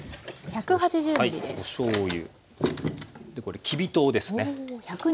おしょうゆこれきび糖ですね。